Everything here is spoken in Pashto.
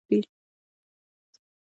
او زما میز، کرسۍ ته به ئې راټولې کړې ـ